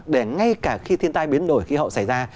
để ngay cả khi thiên tai biến đổi khí hậu xảy ra